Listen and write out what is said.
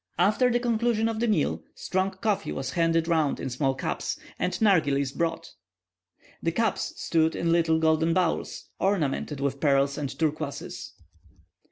After the conclusion of the meal, strong coffee was handed round in small cups, and nargillies brought. The cups stood in little golden bowls, ornamented with pearls and turquoises.